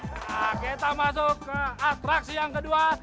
nah kita masuk ke atraksi yang kedua